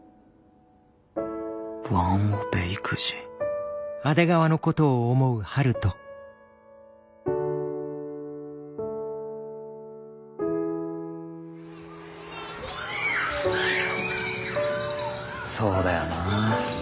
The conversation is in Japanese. ワンオペ育児そうだよな。